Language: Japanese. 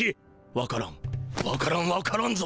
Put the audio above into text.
わからんわからんわからんぞ。